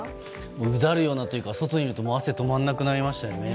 うだるようなというか外にいると汗が止まらなくなりましたよね。